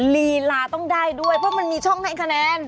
ลีลาต้องได้ด้วยเพราะมันมีช่องให้คะแนน